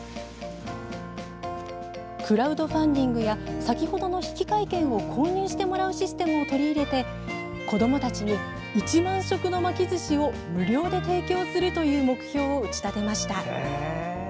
クラウドファンディングや先ほどの引換券を購入してもらうシステムを取り入れて子どもたちに１万食の巻きずしを無料で提供するという目標を打ち立てました。